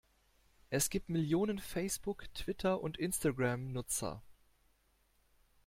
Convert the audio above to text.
Es gibt Millionen Facebook-, Twitter- und Instagram-Nutzer.